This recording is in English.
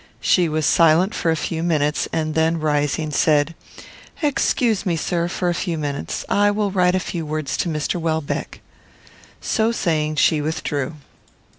She was silent for a few minutes, and then, rising, said, "Excuse me, sir, for a few minutes. I will write a few words to Mr. Welbeck." So saying, she withdrew.